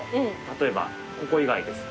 例えばここ以外です。